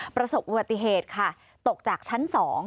ประสบประวัติเหตุค่ะตกจากชั้นสอง